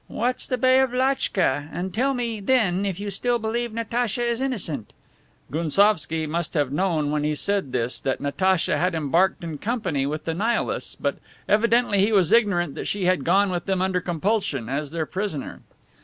"Watch the Bay of Lachtka, and tell me then if you still believe Natacha is innocent!" Gounsovski must have known when he said this that Natacha had embarked in company with the Nihilists, but evidently he was ignorant that she had gone with them under compulsion, as their prisoner.